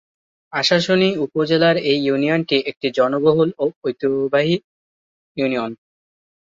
আশাশুনি উপজেলার এই ইউনিয়নটি একটি জনবহুল ও ঐতিহ্যবাহী ইউনিয়ন।